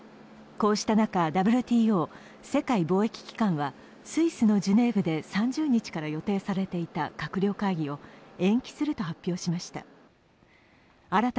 こうした中、ＷＴＯ＝世界貿易機関は、スイスのジュネーブで３０日から予定されていた閣僚会議を延期すると発表しました。